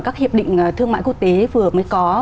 các hiệp định thương mại quốc tế vừa mới có